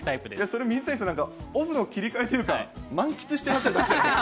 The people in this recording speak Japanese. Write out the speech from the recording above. それ、水谷さん、オフの切り替えというか、満喫してらっしゃるという。